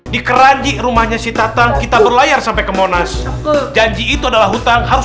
di keranji rumahnya si tatang kita berlayar sampai ke monas janji itu adalah hutang harus